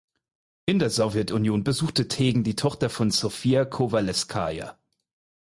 In der Sowjetunion besuchte Tegen die Tochter von Sofja Kowalewskaja.